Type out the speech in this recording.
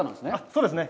そうですね。